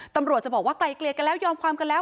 ตำรวจจะบอกว่าไกลเกลียกันแล้วยอมความกันแล้ว